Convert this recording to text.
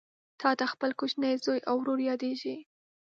تاته خپل کوچنی زوی او ورور یادیږي